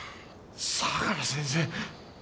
相良先生！